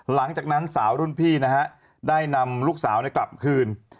หลังจากนั้นสาวรุ่นพี่นะฮะได้นำลูกสาวกลับคืน